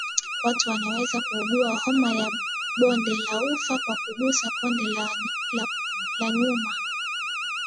Watu wanaweza kuugua homa ya bonde la ufa kwa kugusa kondo la nyuma